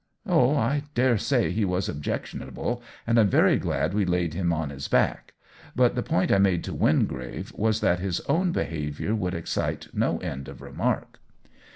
"Oh, I dare say he was objectionable, and Vm very glad we laid him on his back. But the point I made to Wingrave was that his own behavior would excite no end of remark."